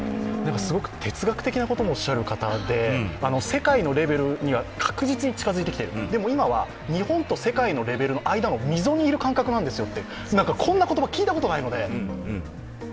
すごく哲学的なこともおっしゃる方で、世界のレベルには確実に近づいてきている、でも今は日本の世界のレベルの間の溝にいる感覚なんですよとこんな言葉聞いたことないので。